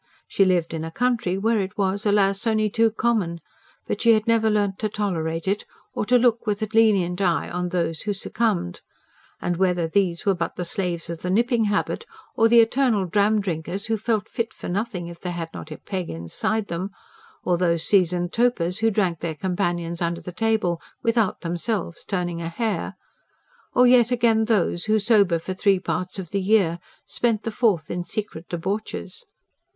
She lived in a country where it was, alas! only too common; but she had never learnt to tolerate it, or to look with a lenient eye on those who succumbed: and whether these were but slaves of the nipping habit; or the eternal dram drinkers who felt fit for nothing if they had not a peg inside them; or those seasoned topers who drank their companions under the table without themselves turning a hair; or yet again those who, sober for three parts of the year, spent the fourth in secret debauches.